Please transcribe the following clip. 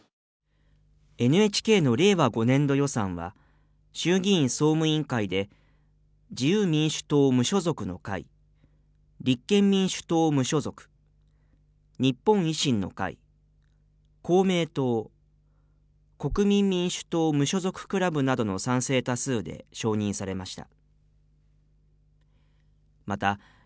ＮＨＫの令和５年度予算は、衆議院総務委員会で、自由民主党・無所属の会、立憲民主党・無所属、日本維新の会、公明党、国民民主党・無所属クラブなどの賛成多数で承認されました。